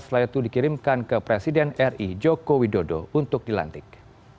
setelah itu dikirimkan ke presiden ri joko widodo untuk dilantik